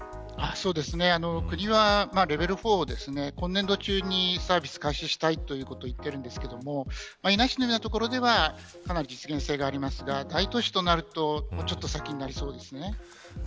国はレベル４を今年度中にサービス開始したいと言っていますが伊那市のような所では実現性がありますが大都市になるとちょっと先になりそうですね。